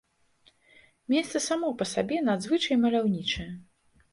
Месца само па сабе надзвычай маляўнічае.